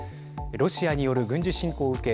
ロシアによる軍事侵攻を受け